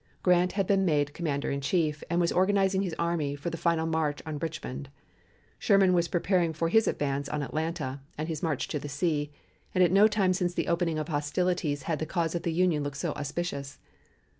Grant had been made commander in chief, and was organizing his army for the final march on Richmond; Sherman was preparing for his advance on Atlanta and his march to the sea; and at no time since the opening of hostilities had the cause of the Union looked so auspicious.